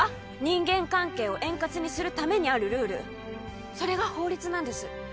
人間関係を円滑にするためにあるルールそれが法律なんです